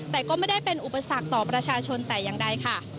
แต่ก็ไม่ได้เป็นอุปสรรคต่อประชาชนแต่อย่างใดค่ะ